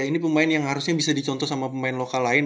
ini pemain yang harusnya bisa dicontoh sama pemain lokal lain